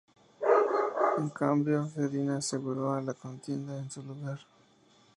En cambio, Selina se unió a la contienda en su lugar.